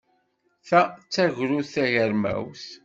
Ta d tagrut tagermawt.